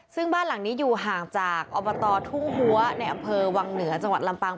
ซึ่งบ้านหลังนี้อยู่ห่างจากอบตทุ่งหัวในอำเภอวังเหนือจังหวัดลำปาง